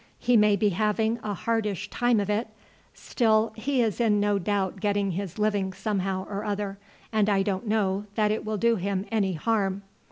He may be having a hardish time of it; still he is no doubt getting his living somehow or other, and I don't know that it will do him any harm.